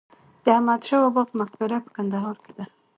د احمدشاه بابا په مقبره په کندهار کې ده.